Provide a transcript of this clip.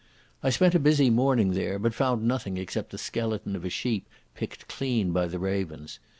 I spent a busy morning there, but found nothing except the skeleton of a sheep picked clean by the ravens.